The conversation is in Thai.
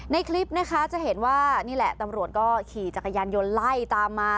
ในคลิปนะคะจะเห็นว่านี่แหละตำรวจก็ขี่จักรยานยนต์ไล่ตามมา